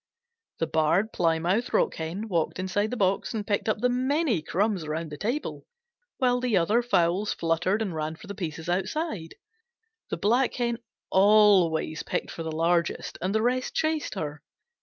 The Barred Plymouth Rock Hen walked inside the box and picked up the many crumbs around the table, while the other fowls fluttered and ran for the pieces outside. The Black Hen always picked for the largest, and the rest chased her.